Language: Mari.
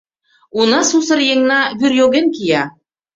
Уна сусыр еҥна вӱр йоген кия.